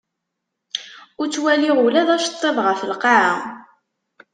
Ur ttwaliɣ ula d aceṭṭiḍ ɣef lqaɛa.